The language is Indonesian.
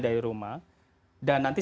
dari rumah dan nanti